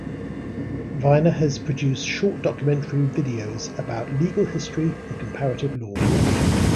Weiner has produced short documentary videos about legal history and comparative law.